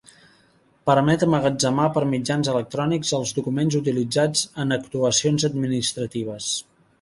Permet emmagatzemar per mitjans electrònics els documents utilitzats en actuacions administratives.